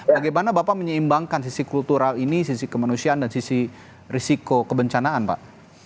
bagaimana bapak menyeimbangkan sisi kultural ini sisi kemanusiaan dan sisi risiko kebencanaan pak